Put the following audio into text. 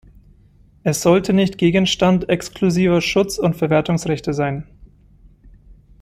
Es sollte nicht Gegenstand exklusiver Schutzund Verwertungsrechte sein.